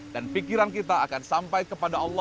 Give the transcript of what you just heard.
dan pikiran kita akan sampai kepadamu